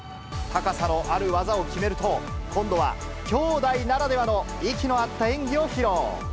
高さのある技を決めると、今度は姉弟ならではの息の合った演技を披露。